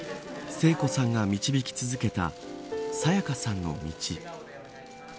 聖子さんが導き続けた沙也加さんの道。